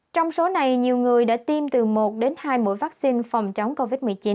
trong số này nhiều người đã tiêm từ một đến hai mũi vaccine phòng chống covid một mươi chín